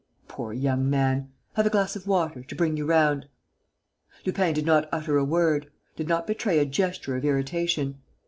Poor young man! Have a glass of water, to bring you round!" Lupin did not utter a word, did not betray a gesture of irritation.